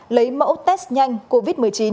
lấy mẫu test nhanh covid một mươi chín